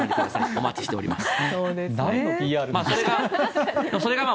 お待ちしております。